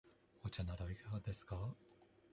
お茶などいかがですか。